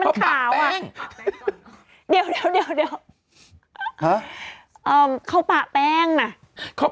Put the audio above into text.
เขาทานหน้าขาวรึเปล่า